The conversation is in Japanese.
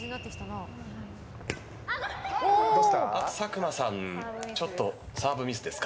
佐久間さんちょっとサーブミスですか。